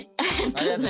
ありがとね。